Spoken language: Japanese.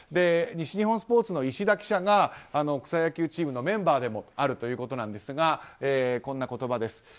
西日本スポーツの石田記者が草野球チームのメンバーでもあるということですがこんな言葉です。